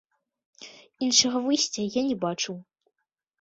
Іншага выйсця я не бачыў.